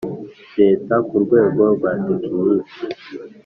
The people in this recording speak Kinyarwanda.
Leta ku rwego rwa tekiniki